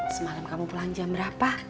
semalam kamu pulang jam berapa